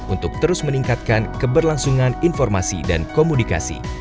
untuk terus meningkatkan keberlangsungan informasi dan komunikasi